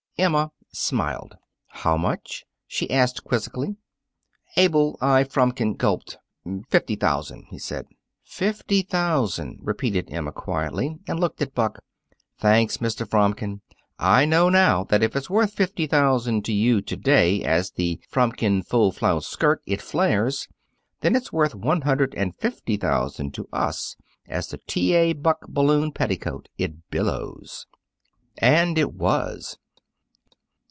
'" Emma smiled. "How much?" she asked quizzically. Abel I. Fromkin gulped. "Fifty thousand," he said. "Fifty thousand," repeated Emma quietly, and looked at Buck. "Thanks, Mr. Fromkin! I know, now, that if it's worth fifty thousand to you to day as the 'Fromkin Full flounce Skirt. It Flares!' then it's worth one hundred and fifty thousand to us as the 'T. A. Buck Balloon Petticoat. It Billows!'" And it was.